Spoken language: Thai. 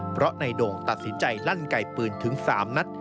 เพราะนายโด่งตัดสินใจลั่นไกลปืนถึง๓นัด